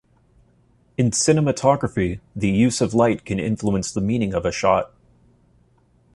In cinematography, the use of light can influence the meaning of a shot.